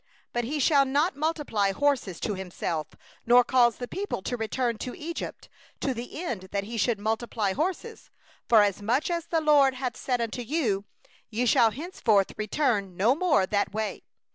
16Only he shall not multiply horses to himself, nor cause the people to return to Egypt, to the end that he should multiply horses; forasmuch as the LORD hath said unto you: 'Ye shall henceforth return no more that way.